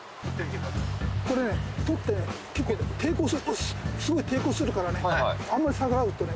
これね採って結構すごい抵抗するからねはいあんまり逆らうとね